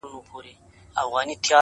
ورته سپک په نظر ټوله موږکان دي,